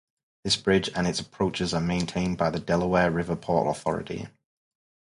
This bridge and its approaches are maintained by the Delaware River Port Authority.